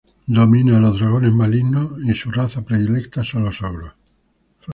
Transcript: Domina a los dragones malignos, y su raza predilecta son los ogros.